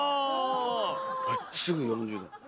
えっすぐ４０℃。